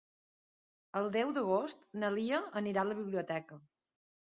El deu d'agost na Lia anirà a la biblioteca.